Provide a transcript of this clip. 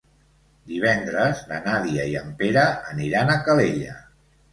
Divendres na Nàdia i en Pere aniran a Calella.